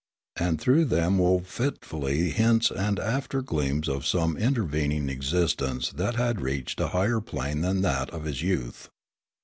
And through them wove fitfully hints and after gleams of some intervening existence that had reached a higher plane than that of his youth.